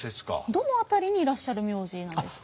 どの辺りにいらっしゃる名字なんですか。